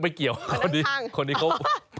ไม่เกี่ยวคนนี้เขา